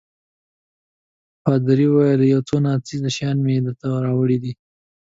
پادري وویل: یو څو ناڅېزه شیان مې درته راوړي دي.